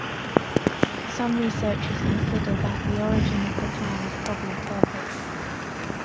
Some researchers consider that the origin of the clan probably was Turkic.